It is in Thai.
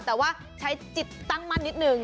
แต่ว่าใช้จิตตั้งมั่นนิดนึง